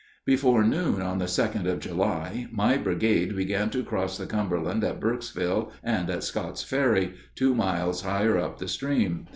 Before noon on the 2d of July my brigade began to cross the Cumberland at Burkesville and at Scott's Ferry, two miles higher up the stream.